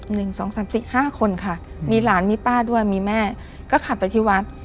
หนึ่งสองสามสี่ห้าคนค่ะมีหลานมีป้าด้วยมีแม่ก็ขับไปที่วัด